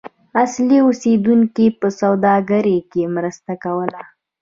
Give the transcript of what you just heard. اصلي اوسیدونکو په سوداګرۍ کې مرسته کوله.